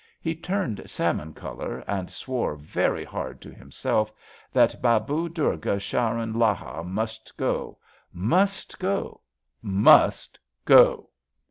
He turned salmon colour, and swore very hard to himself that Babu Durga Charan Laha must go — ^must go — ^must go.